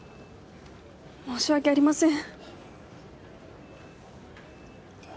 申し訳ありません。